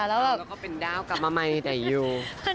แล้วก็เป็นดาวกลับมาใหม่ได้อยู่